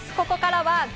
ここからはＧＯ！